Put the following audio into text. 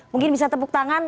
mungkin bisa tepuk tangan